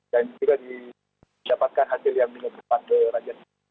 dan juga didapatkan hasil yang minus empat derajat